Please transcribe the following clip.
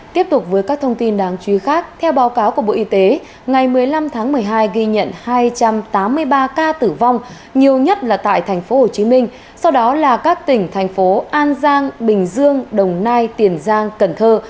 tiếp tục với các thông tin đáng chú ý khác theo báo cáo của bộ y tế ngày một mươi năm tháng một mươi hai ghi nhận hai trăm tám mươi ba ca tử vong nhiều nhất là tại tp hcm sau đó là các tỉnh thành phố an giang bình dương đồng nai tiền giang cần thơ